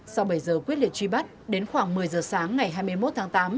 sau bảy giờ quyết liệt truy bắt đến khoảng một mươi giờ sáng ngày hai mươi một tháng tám